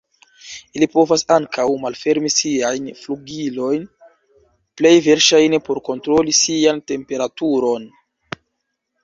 Ili povas ankaŭ malfermi siajn flugilojn, plej verŝajne por kontroli sian temperaturon.